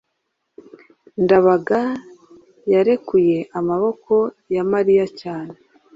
ndabaga yarekuye amaboko ya mariya cyane